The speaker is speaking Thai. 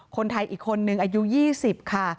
คนไทยอีกคนนึงอายุ๒๐ค่ะ